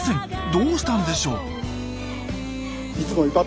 どうしたんでしょう？